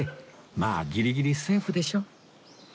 まあギリギリセーフでしょ